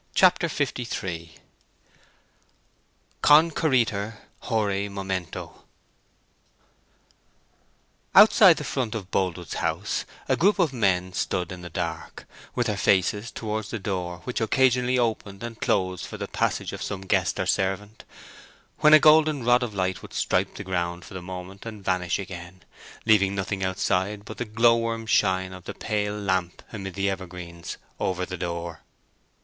CHAPTER LIII CONCURRITUR—HORÆ MOMENTO Outside the front of Boldwood's house a group of men stood in the dark, with their faces towards the door, which occasionally opened and closed for the passage of some guest or servant, when a golden rod of light would stripe the ground for the moment and vanish again, leaving nothing outside but the glowworm shine of the pale lamp amid the evergreens over the door.